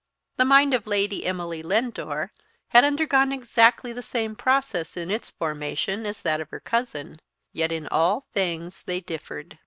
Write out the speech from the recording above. The mind of Lady Emily Lindore had undergone exactly the same process in its formation as that of her cousin; yet in all things they differed.